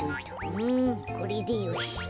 うんこれでよし。